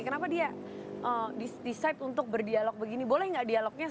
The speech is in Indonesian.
kenapa dia decide untuk berdialog begini